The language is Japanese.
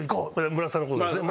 村田さんのことですね。